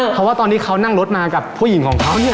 เพราะว่าตอนที่เขานั่งรถมากับผู้หญิงของเขาเนี่ย